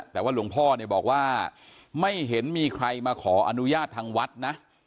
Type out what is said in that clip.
แต่ว่าหลวงพ่อเนี่ยบอกว่าไม่เห็นมีใครมาขออนุญาตทางวัดนะ